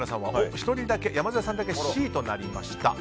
１人だけ、山添さんだけＣとなりました。